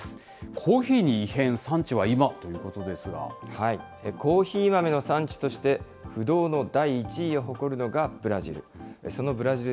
コーヒーに異変、産地は今というコーヒー豆の産地として、不動の第１位を誇るのがブラジル。